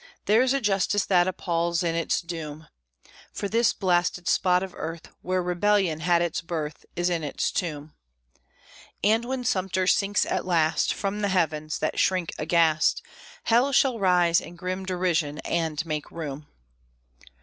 There's a justice that appals In its doom; For this blasted spot of earth Where rebellion had its birth Is its tomb! And when Sumter sinks at last From the heavens, that shrink aghast, Hell shall rise in grim derision and make room!